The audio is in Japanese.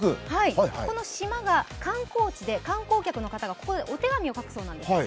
この島が観光地で観光客の方がここでお手紙を書くそうなんですね。